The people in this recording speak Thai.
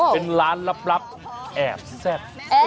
เป็นร้านลับแอบแซ่บ